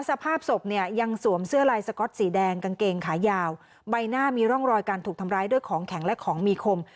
สภาพศพเนี่ยยังสวมเสื้อลายสก๊อตสีแดงกางเกงขายาวใบหน้ามีร่องรอยการถูกทำร้ายด้วยของแข็งและของมีคม